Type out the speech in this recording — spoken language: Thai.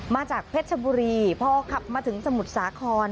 มาจากเพชรชบุรีพอขับมาถึงสมุทรสาคร